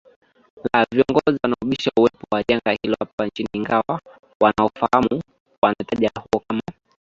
la viongozi wanaobisha uwepo wa janga hilo hapa nchini ingawa wanaomfahamu wanataja huo kama